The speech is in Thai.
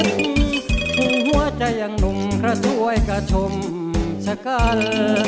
เกิดนานไปนิดหัวใจอย่างหนุ่มพระสวยกะชมชะกัล